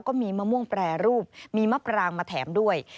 ก็มีมะม่วงแปรรูปมีมะปรางมาแถมด้วย